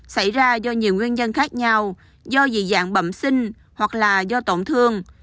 xảy ra do nhiều nguyên nhân khác nhau do dị dạng bẩm sinh hoặc là do tổn thương